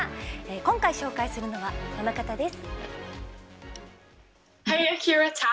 今回、紹介するのは、この方です。